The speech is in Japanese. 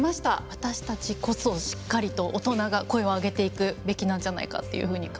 私たちこそしっかりと大人が声を上げていくべきなんじゃないかっていうふうに感じましたね。